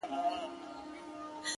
نه یې حال نه یې راتلونکی معلومېږي؛